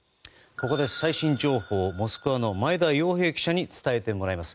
ここで最新情報をモスクワの前田洋平記者に伝えてもらいます。